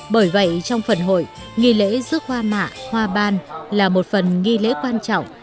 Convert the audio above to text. bởi vậy trong phần hội nghi lễ rước hoa mạ hoa ban là một phần nghi lễ quan trọng